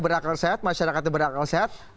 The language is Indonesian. berakal sehat masyarakatnya berakal sehat